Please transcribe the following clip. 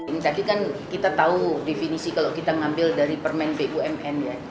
ini tadi kan kita tahu definisi kalau kita ngambil dari permen bumn ya